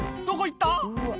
どこ行った？」